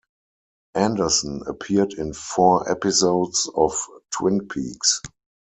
Anderson appeared in four episodes of "Twin Peaks".